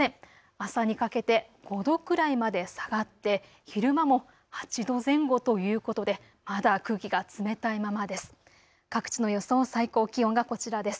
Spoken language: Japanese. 朝にかけて５度くらいまで下がって昼間も８度前後ということでまだ空気が冷たいままです。